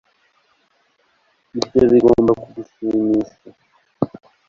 Ibyo bigomba kugushimisha